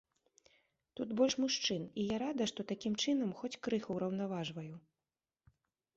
Тут больш мужчын, і я рада, што такім чынам хоць крыху ўраўнаважваю.